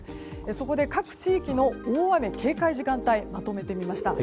そこで各地域の大雨警戒時間帯をまとめてみました。